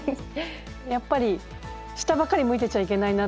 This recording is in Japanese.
やっぱり下ばかり向いてちゃいけないなと。